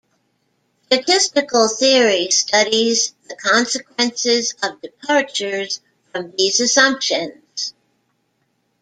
Statistical theory studies the consequences of departures from these assumptions.